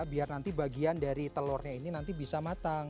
biar nanti bagian dari telurnya ini nanti bisa matang